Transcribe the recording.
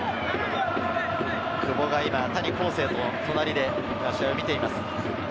久保が谷晃生と隣で試合を見ています。